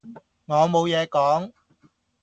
我冇野講